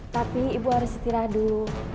tapi ibu harus istirahat dulu